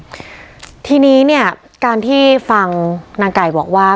ทีนี้เนี่ยการที่ฟังนางไก่บอกว่า